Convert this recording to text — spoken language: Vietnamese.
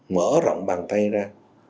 mở rộng bàn tay ra